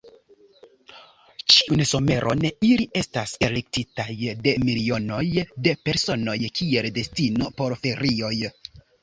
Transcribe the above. Ĉiun someron, ili estas elektitaj de milionoj de personoj kiel destino por ferioj.